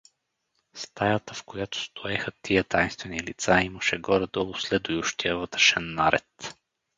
Стаята, в която стоеха тия тайнствени лица, имаше горе-долу следующия вътрешен наред.